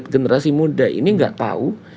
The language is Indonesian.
generasi muda ini nggak tahu